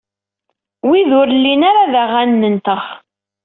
Wid ur llin ara d aɣanen-nteɣ.